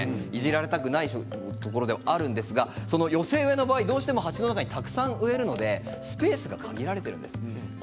いじられたくないところでもあるので寄せ植えの場合は鉢の中にたくさん植えるのでスペースが限られているんです。